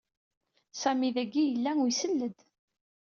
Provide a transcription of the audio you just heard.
Sami d-agi i yella u isel-d.